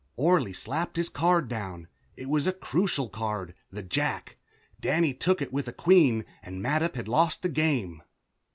Orley slapped his card down; it was a crucial card, the jack. Danny took it with a queen and Mattup had lost the game.